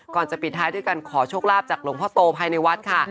ก่อนจะปิดท้ายด้วยการขอโชคลาภจากหลวงพ่อโตภายในวัดค่ะ